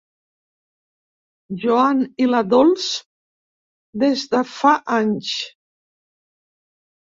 Joan i la Dols des de fa anys.